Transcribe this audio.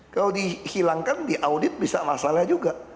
kalau dihilangkan di audit bisa masalah juga